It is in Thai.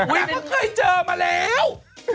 นางก็เคยเจอมาแล้ว